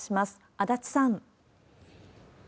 足立さん。